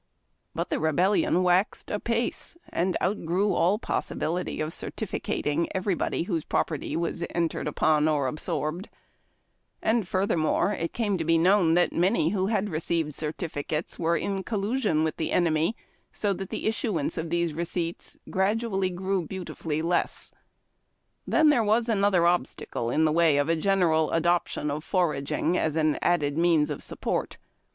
But the Rebellion waxed a})ace, and outgrew all possibility of certificating everybody whose property was entered upon or absorbed, and furthermore it came to be known that many who had received certificates were in col lusion with the eneni}', so that the issuance of these receipts gradually gi'ew beautifully less. Then, there was another obstacle in the way of a general adoption of fonlging as an added means of support.